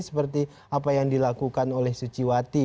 seperti apa yang dilakukan oleh suciwati